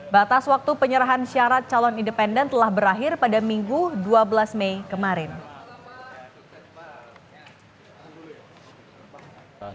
batas waktu penyerahan syarat calon independen telah berakhir pada minggu dua belas mei kemarin